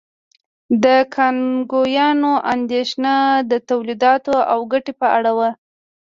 د کانګویانو اندېښنه د تولیداتو او ګټې په اړه وه.